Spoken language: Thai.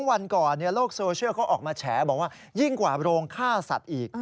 วันก่อนโลกโซเชียลเขาออกมาแฉบอกว่ายิ่งกว่าโรงฆ่าสัตว์อีก